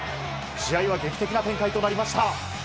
試合は劇的な展開となりました。